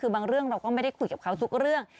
คือบางเรื่องเราก็ไม่ได้คุยกับเขาทุกเรื่อง